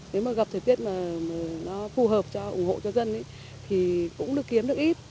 nếu mà gặp thời tiết mà nó phù hợp cho ủng hộ cho dân thì cũng được kiếm được ít